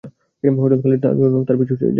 হযরত খালিদ রাযিয়াল্লাহু আনহু তার পিছু পিছু যান।